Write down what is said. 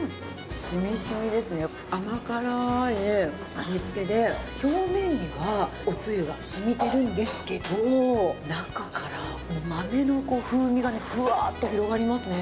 しみしみですね、甘辛い味付けで、表面にはおつゆがしみてるんですけど、中から豆の風味がね、ふわっと広がりますね。